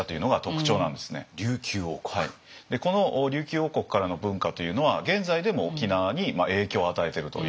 でこの琉球王国からの文化というのは現在でも沖縄に影響を与えているということなんですよ。